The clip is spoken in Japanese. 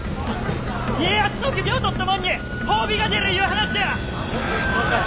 家康の首を取ったもんに褒美が出るいう話や！